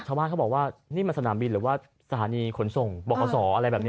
ชาวบ้านเขาบอกว่านี่มันสนามบินหรือว่าสถานีขนส่งบอกขอสออะไรแบบนี้